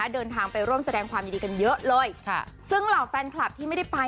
เดินทางไปร่วมแสดงความยินดีกันเยอะเลยค่ะซึ่งเหล่าแฟนคลับที่ไม่ได้ไป